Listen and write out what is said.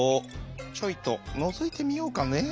「ちょいとのぞいてみようかね？」。